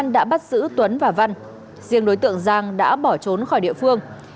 đã bắt giữ tuấn và văn riêng đối tượng giang đã bỏ trốn khỏi địa phương